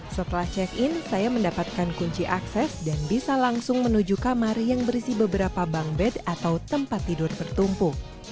setelah check in saya mendapatkan kunci akses dan bisa langsung menuju kamar yang berisi beberapa bank bed atau tempat tidur bertumpu